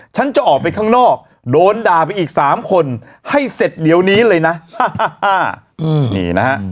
ฉันจะออกไปข้างนอกโดนด่าไปอีกสามคนให้เสร็จเดี๋ยวนี้เลยนะนี่นะฮะ